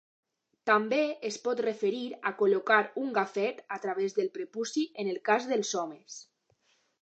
També es pot referir a col·locar un gafet a través del prepuci en el cas dels homes.